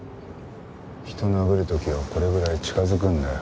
人を殴る時はこれぐらい近づくんだよ。